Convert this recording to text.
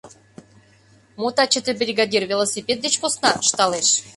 — Мо таче тый, бригадир, велосипед деч посна? — ышталеш.